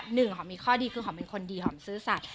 หนึ่งหอมมีข้อดีคือหอมเป็นคนดีหอมซื่อสัตว